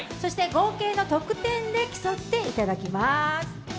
合計の得点で競っていただきます。